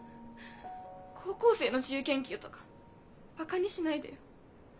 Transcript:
高校生の自由研究とかバカにしないでよ。